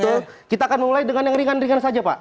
betul kita akan mulai dengan yang ringan ringan saja pak